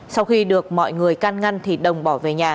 sau khi được mọi người can ngăn thì đồng bỏ về nhà